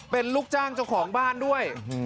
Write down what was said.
เป็นลูกจ้างเจ้าของบ้านด้วย